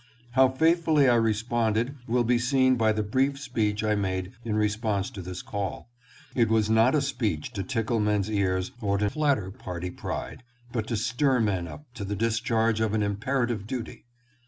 How faithfully I responded will be seen by the brief speech I made in response to this call. It was not a speech to tickle men's ears or to natter party pride, but to stir men up to the discharge of an imperative duty.